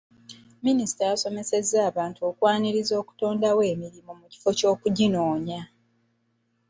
Minisita yasomesezza abantu okwaniriza okutondawo emirimu mu kifo ky'okuginoonya.